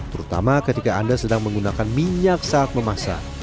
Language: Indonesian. terutama ketika anda sedang menggunakan minyak saat memasak